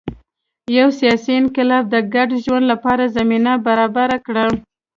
یو سیاسي انقلاب د ګډ ژوند لپاره زمینه برابره کړه